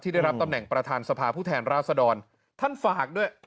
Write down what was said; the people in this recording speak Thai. ได้รับตำแหน่งประธานสภาผู้แทนราษดรท่านฝากด้วย